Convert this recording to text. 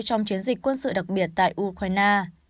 trong chiến dịch quân sự đặc biệt tại ukraine